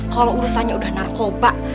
kalau urusannya udah narkoba